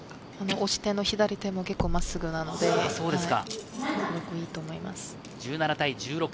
押し手の左手も結構、真っすぐなので、すごくいいと思います。